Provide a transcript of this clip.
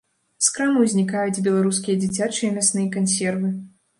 З крамаў знікаюць беларускія дзіцячыя мясныя кансервы.